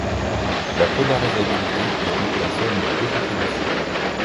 La polarisabilité est donc la somme de deux contributions.